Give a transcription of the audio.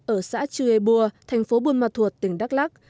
ở xã chư ê bua thành phố buôn mà thuột tỉnh đắk lắc